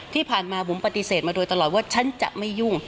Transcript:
ที่ผ่านมาบุ๋มปฏิเสธมาโดยตลอดว่าฉันจะไม่ยุ่ง